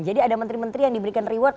jadi ada menteri menteri yang diberikan reward